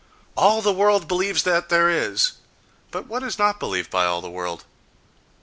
—All the world believes that there is; but what is not believed by all the world!